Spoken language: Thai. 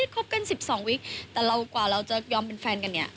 คบกัน๑๒วิกแต่เรากว่าเราจะยอมเป็นแฟนกันเนี่ย